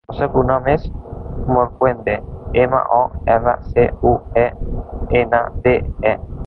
El seu cognom és Morcuende: ema, o, erra, ce, u, e, ena, de, e.